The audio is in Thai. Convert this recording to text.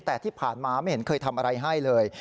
แต่ที่ผ่านมาไม่เห็นเคยทำอะไรให้เลย